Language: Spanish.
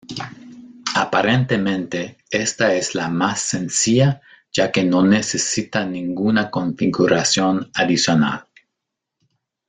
Aparentemente esta es la más sencilla ya que no necesita ninguna configuración adicional.